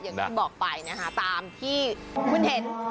อย่างที่บอกไปนะคะตามที่คุณเห็น